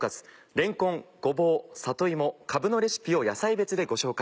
れんこんごぼう里芋かぶのレシピを野菜別でご紹介。